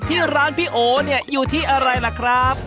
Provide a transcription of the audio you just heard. ที่ร้านพี่โอเนี่ยอยู่ที่อะไรล่ะครับ